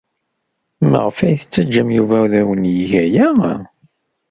Maɣef ay tettaǧǧam Yuba ad awen-yeg aya?